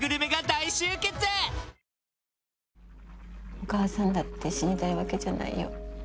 お母さんだって死にたいわけじゃないよ。